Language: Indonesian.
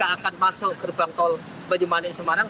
ketika akan masuk ke reban tol banyumani semarang